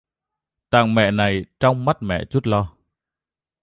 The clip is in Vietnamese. Tặng mẹ này trong mắt mẹ chút lo